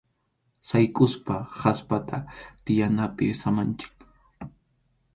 Sayk’usqa kaspaqa tiyanapi samanchik.